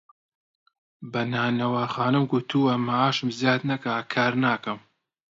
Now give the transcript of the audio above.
بە نانەواخانەم گوتووە مەعاشم زیاد نەکا کار ناکەم